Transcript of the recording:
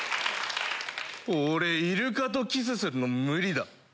俺イルカとキスするの無理だ。